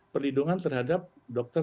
perlindungan terhadap dokter